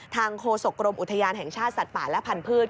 โฆษกรมอุทยานแห่งชาติสัตว์ป่าและพันธุ์